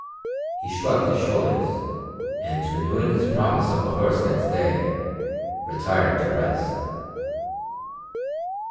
He shrugged his shoulders, and, renewing his promise of a horse next day, retired to rest.